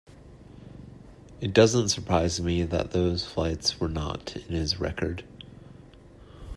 It doesn't surprise me that those flights were not in his record.